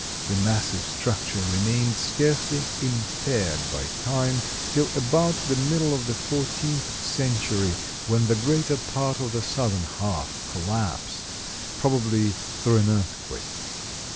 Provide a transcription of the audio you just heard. The massive structure remained scarcely impaired by time till about the middle of the fourteenth century, when the greater part of the southern half collapsed, probably through an earthquake.